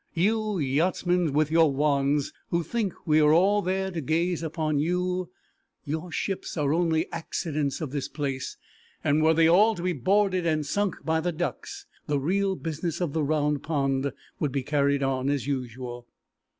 You yachtsmen with your wands, who think we are all there to gaze on you, your ships are only accidents of this place, and were they all to be boarded and sunk by the ducks the real business of the Round Pond would be carried on as usual.